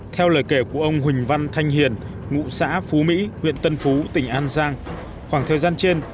theo lời kể của ông huỳnh văn thanh hiền ngụ xã phú mỹ huyện tân phú tỉnh an giang khoảng thời gian trên